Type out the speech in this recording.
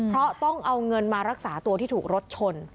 เพราะต้องเอาเงินมารักษาตัวที่ถูกรถชน